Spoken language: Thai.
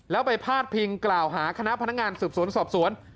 แล้วไปพาดพิงกล่าวหาคณะพนักงานสืบสวนสอบสวน